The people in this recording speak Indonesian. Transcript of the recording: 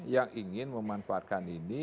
yang ingin memanfaatkan ini